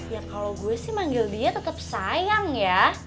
ya kalo gue sih manggil dia tetep sayang ya